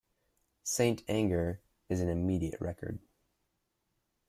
"St. Anger" is an immediate record.